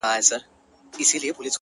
• له کوم خیرات څخه به لوږه د چړي سړوو ,